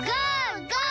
ゴー！